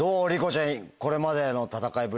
これまでの戦いぶり。